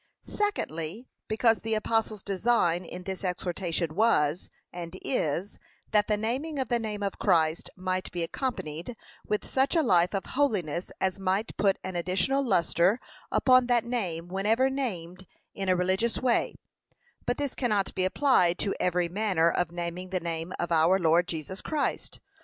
Secondly, because the apostle's design in this exhortation was, and is, that the naming of the name of Christ might be accompanied with such a life of holiness as might put an additional lustre upon that name whenever named in a religious way; but this cannot be applied to every manner of naming the name of our Lord Jesus Christ.